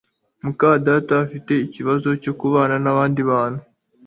muka data afite ikibazo cyo kubana nabandi bantu